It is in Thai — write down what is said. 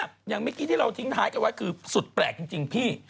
อย่างเมื่อกี้ที่เราทิ้งท้ายกันไว้คือสุดแปลกจริงพี่